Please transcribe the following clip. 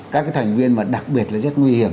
các thành viên mà đặc biệt là rất nguy hiểm